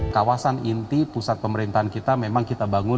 kawasan inti pusat pemerintahan kita memang kita bangun